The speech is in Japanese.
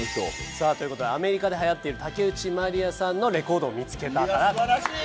「さあという事でアメリカではやっている竹内まりやさんのレコードを見付けたからと」素晴らしい！